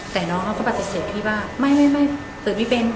แต่น้องเขาก็ปฏิเสธพี่ว่าไม่ตื่นไม่เป็น